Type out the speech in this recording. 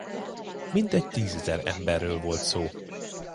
Mintegy tízezer emberről volt szó.